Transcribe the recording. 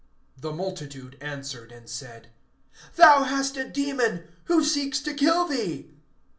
(20)The multitude answered and said: Thou hast a demon; who seeks to kill thee?